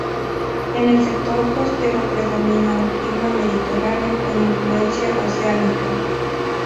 En el sector costero predomina un clima mediterráneo con influencia oceánica.